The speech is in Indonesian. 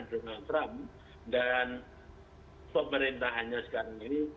karena donald trump dan pemerintahnya sekarang ini